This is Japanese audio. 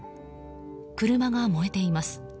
車が燃えています。